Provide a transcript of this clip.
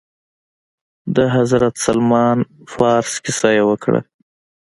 د حضرت سلمان فارس کيسه يې وکړه.